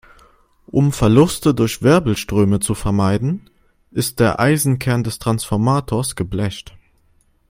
Um Verluste durch Wirbelströme zu vermeiden, ist der Eisenkern des Transformators geblecht.